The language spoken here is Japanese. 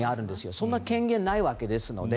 そんな権限がないわけですので。